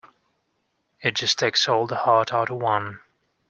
It just takes all the heart out of one.